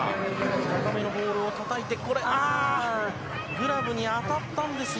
高めのボールをたたいて、これ、ああっ、グラブに当たったんですが。